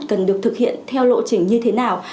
cần được thực hiện theo lộ trình như thế nào